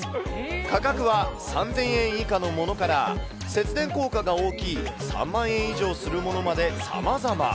価格は３０００円以下のものから、節電効果が大きい３万円以上するものまで、さまざま。